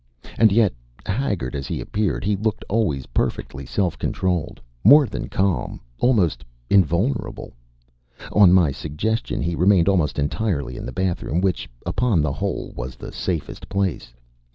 And yet, haggard as he appeared, he looked always perfectly self controlled, more than calm almost invulnerable. On my suggestion he remained almost entirely in the bathroom, which, upon the whole, was the safest place.